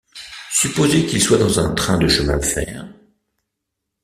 Supposez qu’il soit dans un train de chemin de fer ?